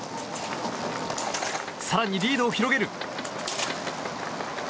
更にリードを広げる。